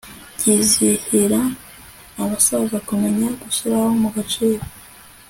byizihira abasaza kumenya gushyira mu gaciro